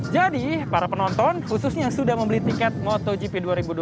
jadi para penonton khususnya yang sudah membeli tiket motogp dua ribu dua puluh dua